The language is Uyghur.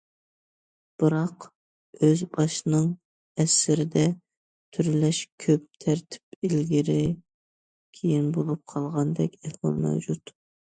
بىراق ئۆز باشنىڭ ئەسىرىدە تۈرلەش كۆپ، تەرتىپ ئىلگىرى كېيىن بولۇپ قالغاندەك ئەھۋال مەۋجۇت.